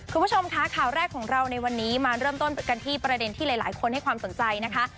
คุณผู้ชมคะข่าวแรกของเราในวันนี้มาเริ่มต้นกันที่ประเด็นที่หลายคนให้ความสนใจนะคะ